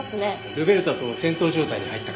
ルベルタと戦闘状態に入ったからね。